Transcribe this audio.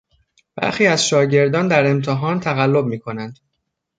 برخی از شاگردان در امتحان تقلب میکنند.